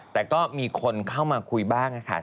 แต่ก็มีคนเข้ามาคุยบ้างค่ะ